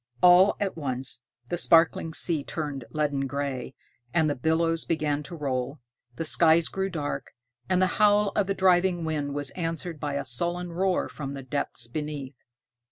All at once, the sparkling sea turned leaden gray, and the billows began to roll, the skies grew dark, and the howl of the driving wind was answered by a sullen roar from the depths beneath.